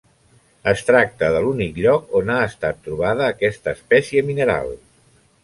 Es tracta de l'únic lloc on ha estat trobada aquesta espècie mineral.